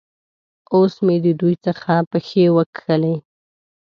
اوس مې د دوی څخه پښې وکښلې.